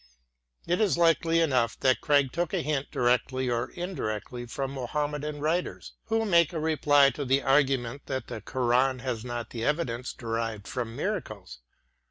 It is likely enough that Craig took a hint, directly or indirectly, from Mohammedan writers, who make a reply to the argument that the Koran has not the evidence derived from miracles.